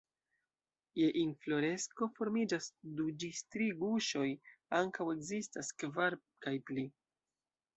Je infloresko formiĝas du ĝis tri guŝoj, ankaŭ ekzistas kvar kaj pli.